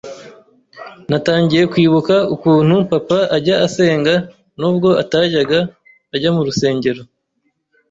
Natangiye kwibuka ukuntu Papa ajya asenga nubwo atajyaga ajya mu rusengero,